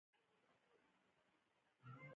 ډیجیټل بانکوالي د ملي اقتصاد بنسټ پیاوړی کوي.